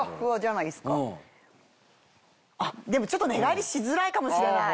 あっでもちょっと寝返りしづらいかもしれない。